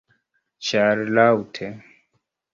Ĉar Laŭte!